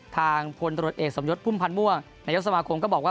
ทางพลตรวจเอกสมยศพุ่มพันธ์ม่วงนายกสมาคมก็บอกว่า